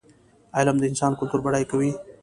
علم د انسان کلتور بډای کوي.